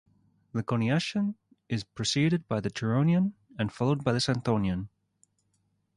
The Coniacian is preceded by the Turonian and followed by the Santonian.